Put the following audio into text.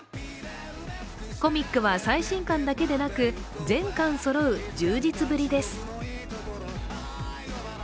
コミックは最新刊だけでなく全巻そろう充実ぶりです。